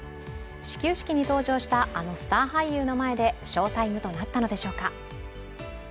始球式に登場した、あのスター俳優の前で翔タイムとなったのでしょうか。